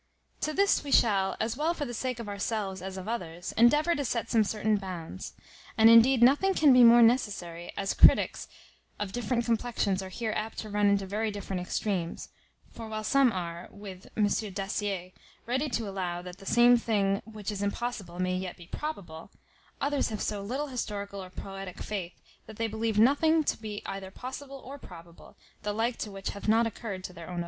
To this we shall, as well for the sake of ourselves as of others, endeavour to set some certain bounds, and indeed nothing can be more necessary, as critics[*] of different complexions are here apt to run into very different extremes; for while some are, with M. Dacier, ready to allow, that the same thing which is impossible may be yet probable,[] others have so little historic or poetic faith, that they believe nothing to be either possible or probable, the like to which hath not occurred to their own observation.